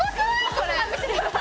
これ。